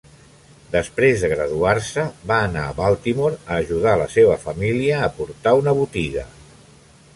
Després de graduar-se, va anar a Baltimore a ajudar la seva família a portar una botiga.